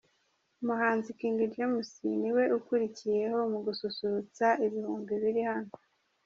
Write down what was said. Umuhanzi King James niwe ukurikiyeho mu gususurutsa ibihumbi biri hano.